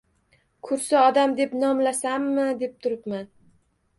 Kursi-odam deb nomlasammi, deb turibman